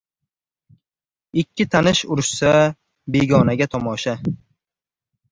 • Ikki tanish urushsa, begonaga tomosha.